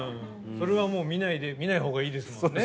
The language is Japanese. それはもう見ないほうがいいですもんね